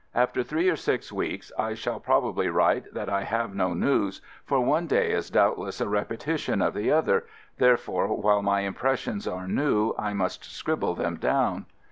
After three or six weeks I shall probably write that I have no news, for one day is doubtless a repetition of the other, therefore while my impressions are new I must scribble them down.